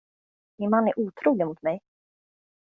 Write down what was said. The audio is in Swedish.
Min man är otrogen mot mig.